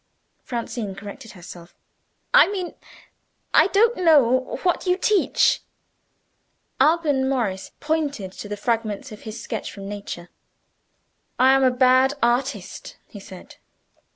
Francine corrected herself. "I mean, I don't know what you teach." Alban Morris pointed to the fragments of his sketch from Nature. "I am a bad artist," he said.